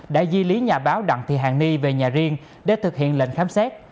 đã di lý nhà báo đặng thị hàng ni về nhà riêng để thực hiện lệnh khám xét